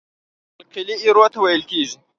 القلي ایرو ته ویل کیږي.